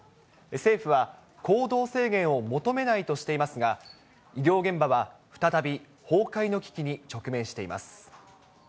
政府は、行動制限を求めないとしていますが、医療現場は再び崩壊の危機に直面しています。